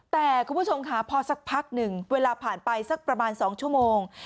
แต่คุณผู้ชมค่ะพอสักพักหนึ่งเวลาผ่านไปสักประมาณ๒ชั่วโมง